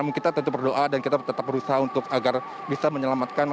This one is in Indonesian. namun kita tentu berdoa dan kita tetap berusaha untuk agar bisa menyelamatkan